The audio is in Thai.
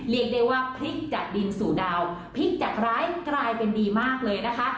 เรียกได้ว่าพลิกจากดินสู่ดาวพลิกจากร้ายกลายเป็นดีมากเลยนะคะ